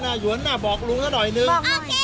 น่าหยุดน่ะบอกรู้ก็หน่อยนึง